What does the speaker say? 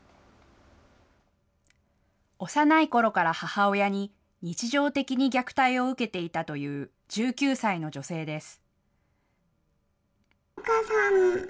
幼いころから母親に、日常的に虐待を受けていたという１９歳の女性です。